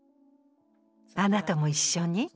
あなたも一緒に？